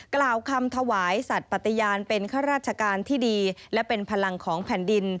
กล่าวคำถวายสัตว์ปฏิญาณเป็นข้าราชการที่ดีและเป็นพลังของแผ่นดิน